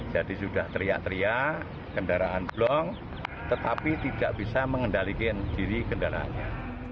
jadi sudah teriak teriak kendaraan blong tetapi tidak bisa mengendalikan diri kendaraannya